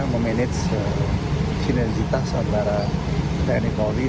memanage sinergitas antara tni polri